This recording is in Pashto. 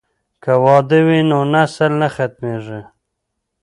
که واده وي نو نسل نه ختمیږي.